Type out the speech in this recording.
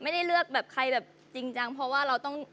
ไม่ได้เลือกใครจริงจังทีเว้าไร่เล็ก